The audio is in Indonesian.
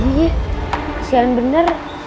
ih kesian bener